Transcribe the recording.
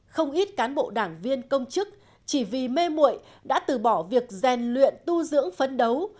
không ít cán bộ đảng viên công chức chỉ vì mê mụi đã từ bỏ việc rèn luyện tu dưỡng phấn đấu